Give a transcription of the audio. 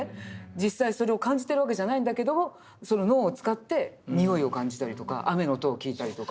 実際にそれを感じてるわけじゃないんだけどもその脳を使って匂いを感じたりとか雨の音を聞いたりとか。